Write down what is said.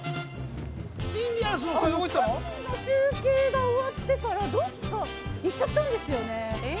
中継が終わってからどこか行っちゃったんですよね。